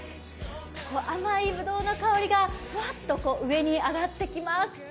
甘いぶどうの香りがふわっと上に上がってきます。